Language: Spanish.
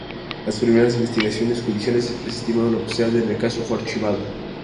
Las primeras investigaciones judiciales desestimaron la posibilidad y el caso fue archivado.